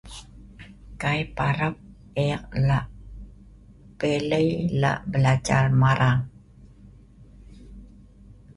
Kai parap, ek lah pilei lah belajal marang.